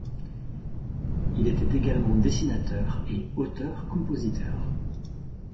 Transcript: Il était également dessinateur et auteur-compositeur.